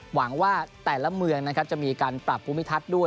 หวังว่าแต่ละเมืองนะครับจะมีการปรับภูมิทัศน์ด้วย